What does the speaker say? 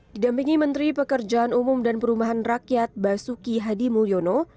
didampingi menteri pekerjaan umum dan perumahan rakyat basuki hadi mulyono